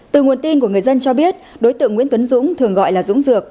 từ nguồn tin của người dân cho biết đối tượng nguyễn tuấn dũng thường gọi là dũng dược